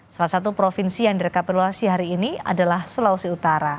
salah satu provinsi yang direkapiluasi hari ini adalah sulawesi utara